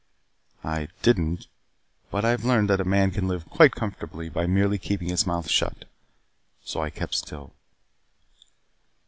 I didn't, but I have learned that a man can live quite comfortably by merely keeping his mouth shut. So I kept still.